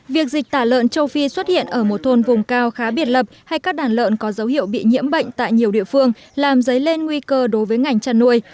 việc dịch tả lợn châu phi xuất hiện ở một thôn vùng cao khá biệt lập hay các đàn lợn có dấu hiệu bị nhiễm bệnh tại nhiều địa phương làm dấy lên nguy cơ đối với ngành chăn nuôi